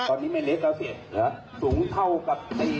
ตอนนี้ไม่เล็กแล้วเสียงสูงเท่ากับไอไอ